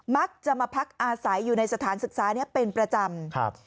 มักจะมาพักอาศัยอยู่ในสถานศึกษานี้เป็นประจำครับ